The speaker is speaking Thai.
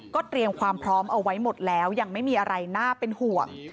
เตรียมความพร้อมเอาไว้หมดแล้วยังไม่มีอะไรน่าเป็นห่วง